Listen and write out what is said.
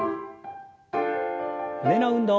胸の運動。